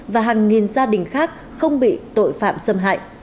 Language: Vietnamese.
và hàng nghìn gia đình khác không bị tội phạm xâm hại